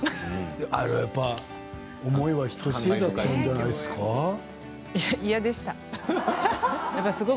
あれはやっぱり思いはひとしおだったんじゃないですか。